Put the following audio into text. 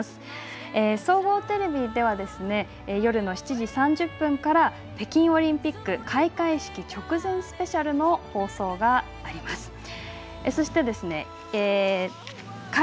総合テレビでは夜７時３０分から「北京オリンピック開会式直前スペシャル」の放送があります。